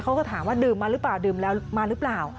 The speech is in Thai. เขาก็ถามว่าดื่มมาหรือเปล่าดื่มแล้วมาหรือเปล่า